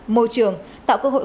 môi trường tạo cơ hội